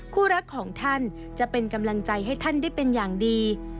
คู่รักของท่านจะเป็นกำลังใจให้ท่านได้เป็นอย่างดี